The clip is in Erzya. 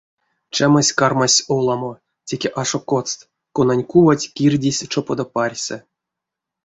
Чамась кармась оламо, теке ашо коцт, конань кувать кирдизь чопода парьсэ.